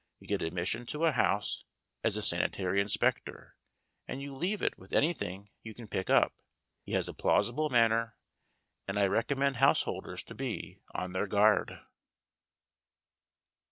You get admission to a house as a sanitary inspector, and you leave it with anything you can pick up. He has a plausible manner, and I recommend householders to be on their guard.